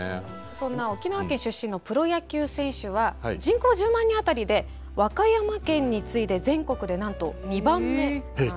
そんな沖縄県出身のプロ野球選手は人口１０万人あたりで和歌山県に次いで全国でなんと２番目なんです。